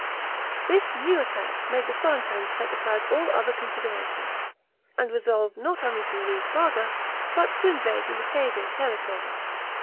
This new attack made the Florentines set aside all other considerations, and resolve not only to relieve Barga, but to invade the Lucchese territory.